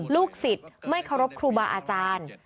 ลูกศิษย์ไม่เคารพครูบาอาจารย์